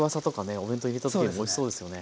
お弁当に入れた時においしそうですよね。